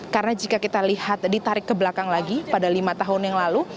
karena jika kita lihat ditarik ke belakang lagi pada lima tahun yang lalu